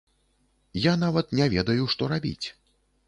Я нават не ведаю, што рабіць.